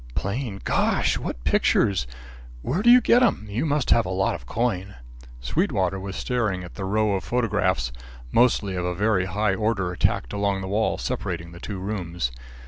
"Plain. Gosh! what pictures! Where do you get 'em? You must have a lot of coin." Sweetwater was staring at the row of photographs, mostly of a very high order, tacked along the wall separating the two rooms.